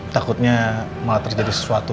takutnya malah terjadi sesuatu